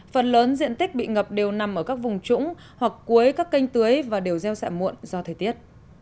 phần lớn diện tích bị ngập đều nằm ở các vùng trũng hoặc cuối các canh tưới và đều gieo xạ muộn do thời tiết